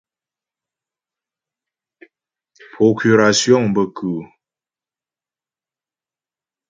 Procurasyɔŋ bə kʉ́ʉ́ ?